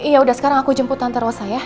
yaudah sekarang aku jemput tante rosa ya